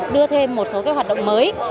đưa thêm một số hoạt động mới